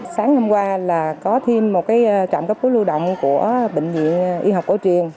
sáng hôm qua là có thêm một trạm cấp cứu lưu động của bệnh viện y học cổ truyền